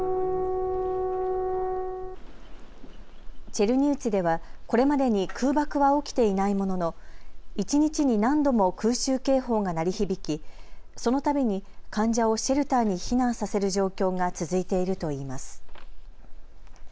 チェルニウツィでは、これまでに空爆は起きていないものの一日に何度も空襲警報が鳴り響きそのたびに患者をシェルターに避難させる状況が続いているといいます。